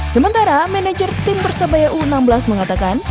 sementara manajer tim persebaya u enam belas mengatakan